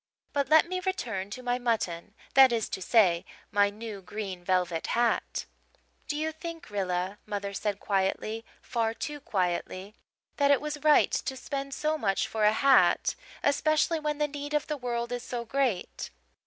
But let me return to my mutton that is to say, my new green velvet hat. "'Do you think, Rilla,' mother said quietly far too quietly 'that it was right to spend so much for a hat, especially when the need of the world is so great?'